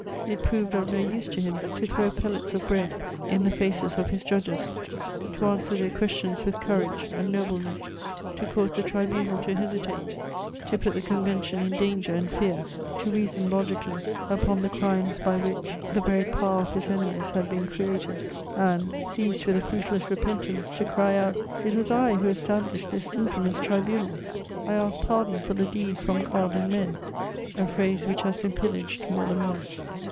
It E roved of no use to him to thzow pellets of iHiead inthe faces of is judges, to answer their questions with courage and nohle* ness, to cause the tribunal to hentate, to put the convention in danger and fear, to reason logically upon the crimes by which the very power of his eneaoBS had been created, and, seised with a finiitless repentance, to cry out, ''It was I who established this in£Eunous tribunal ; I ask pardon lor the deed bom God and men V — a phrase which has been pillaged miore than once.